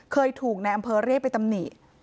เคยถูกในอำเภอเรียกไปตำหนิ